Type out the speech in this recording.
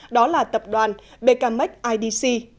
đó là tập đoàn becamec idc